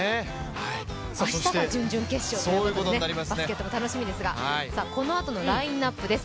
明日が準々決勝ということでバスケットも楽しみですがこのあとのラインアップです。